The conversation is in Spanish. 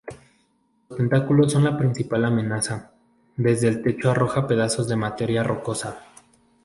Los tentáculos son la principal amenaza; desde el techo arroja pedazos de materia rocosa.